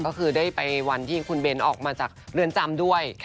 ก็คือได้ไปวันที่คุณเบ้นออกมาจากเรือนจำด้วย